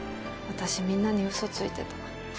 私みんなに嘘ついてた。